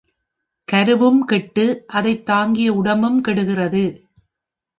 கருவும் கெட்டு, அதைத் தாங்கிய உடம்பும் கெடுகிறது.